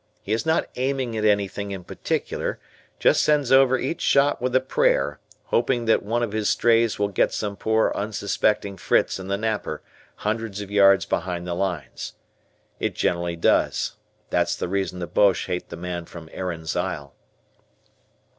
He is not aiming at anything in particular, just sends over each shot with a prayer, hoping that one of his strays will get some poor unsuspecting Fritz in the napper hundreds of yards behind the lines. It generally does; that's the reason the Boches hate the man from Erin's Isle.